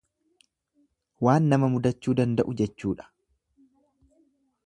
Waan nama mudachuu danda'u jedhuudha.